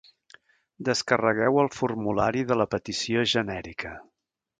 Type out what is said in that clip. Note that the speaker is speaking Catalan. Descarregueu el formulari de la Petició genèrica.